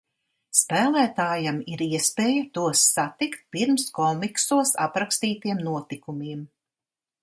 Spēlētājam ir iespēja tos satikt pirms komiksos aprakstītiem notikumiem.